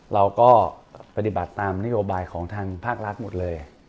เราก็ปฏิบัติตามนโยบายของทางภาครัฐหมดเลย